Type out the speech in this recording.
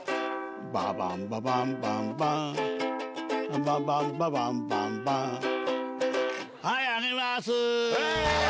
ババンババンバンバンババンババンバンバンはいあげます！